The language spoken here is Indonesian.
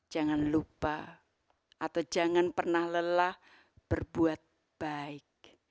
jangan lupa atau jangan pernah lelah berbuat baik